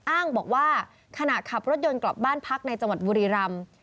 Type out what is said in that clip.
อ้างบอกว่าขณะขับรถยนต์กลับบ้านพักในจังหวัดบุรีรำ